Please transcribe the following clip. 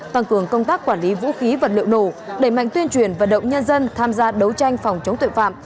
tăng cường công tác quản lý vũ khí vật liệu nổ đẩy mạnh tuyên truyền vận động nhân dân tham gia đấu tranh phòng chống tội phạm